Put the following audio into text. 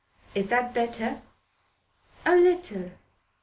"Is that better?" "A little."